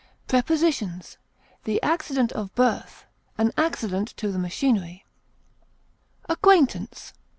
Prepositions: The accident of birth; an accident to the machinery. ACQUAINTANCE.